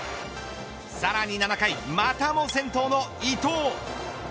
さらに７回またも先頭の伊藤。